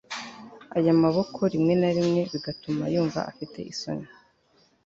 aya maboko rimwe na rimwe bigatuma yumva afite isoni